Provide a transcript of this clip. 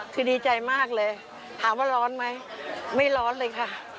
คือดีใจมากเลยถามว่าร้อนไหมไม่ร้อนเลยค่ะ